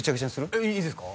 えっいいですか？